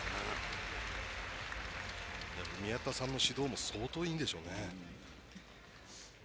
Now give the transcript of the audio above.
宮田さんの指導が相当いいんでしょうね。